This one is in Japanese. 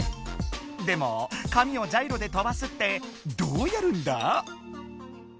でも紙をジャイロで飛ばすってどうやるんだ？